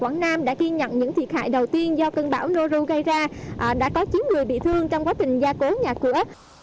quảng nam đã ghi nhận những thiệt hại đầu tiên do cơn bão noru gây ra đã có chín người bị thương trong quá trình gia cố nhà cửa